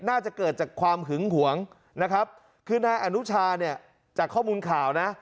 น่าจะเกิดจากความหึงหวงนะครับคือนายอนุชาเนี่ยจากข้อมูลข่าวนะ